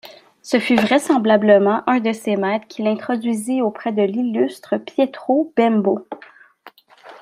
Ce fut vraisemblablement un de ses maîtres qui l'introduisit auprès de l'illustre Pietro Bembo.